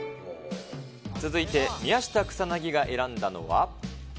続いて宮下草薙が選んだのは。